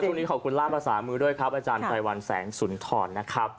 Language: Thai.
ช่วงนี้ขอบคุณล่ามภาษามือด้วยครับอาจารย์ไพรวันแสงสุนทรนะครับ